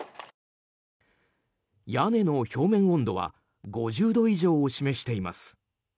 屋根の表面温度は５０度以上を示しています。